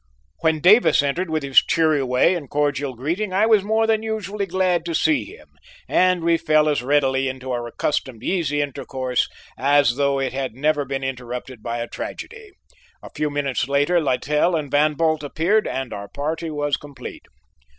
When Davis entered with his cheery way and cordial greeting I was more than usually glad to see him and we fell as readily into our accustomed easy intercourse as though it had never been interrupted by a tragedy. A few minutes later Littell and Van Bult appeared and our party was complete.